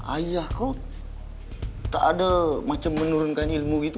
ayah kok tak ada macam menurunkan ilmu itu